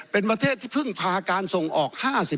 เป็นประเทศที่พึ่งพาการส่งออก๕๓